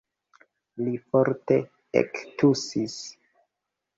Li forte ektusis.